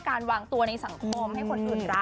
การวางตัวในสังคมให้คนอื่นรัก